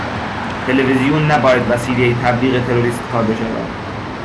تلویزیون نباید وسیلهی تبلیغ تروریستها بشود.